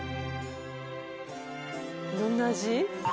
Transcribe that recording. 「どんな味？」